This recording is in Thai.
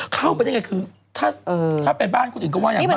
เข้าไปได้อย่างไงถ้าไปบ้านคนอื่นก็ว่ายังไง